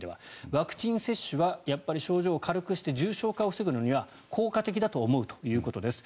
ワクチン接種は症状を軽くして重症化を防ぐには効果的だと思うということです。